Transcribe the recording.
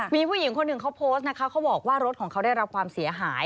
มีผู้หญิงคนหนึ่งเขาโพสต์นะคะเขาบอกว่ารถของเขาได้รับความเสียหาย